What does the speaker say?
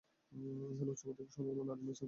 এখানে উচ্চ মাধ্যমিক সমমান আলিম স্তর পর্যন্ত রয়েছে।